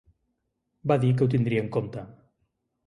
Va dir que ho tindria en compte.